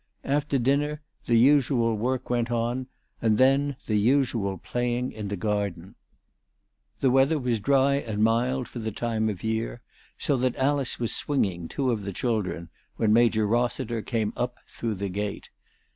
After dinner the usual work went on, and then the usual playing in the garden. The weather was dry and mild for the time of year, so that Alice was swing ing two of the children when Major Hossiter came up through the gate.